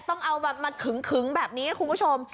ต้องเอาแบบมาขึงแบบนี้คุณผู้ชม